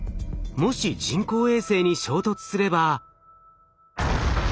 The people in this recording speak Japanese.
もし人工衛星に衝突すれば。